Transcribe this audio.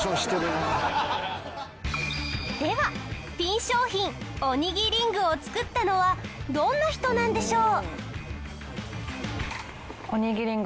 ではピン商品おにぎりん具を作ったのはどんな人なんでしょう？